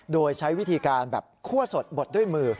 โดยใช้วิธีการแบบคั่วสดบดด้วยมือ